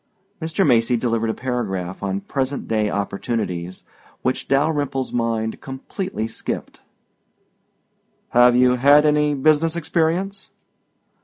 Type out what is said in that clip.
Mr. Macy delivered a paragraph on present day opportunities which Dalyrimple's mind completely skipped. "Have you had any business experience?"